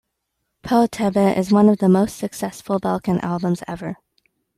"Po Tebe", is one of the most successful Balkan albums ever.